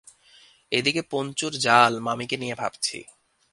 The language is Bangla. এ দিকে পঞ্চুর জাল মামীকে নিয়ে ভাবছি।